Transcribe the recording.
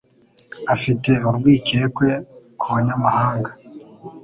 Afite urwikekwe ku banyamahanga.